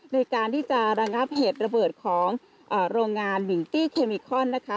ในการที่จะระงับเหตุระเบิดของโรงงานมิงตี้เคมิคอนนะคะ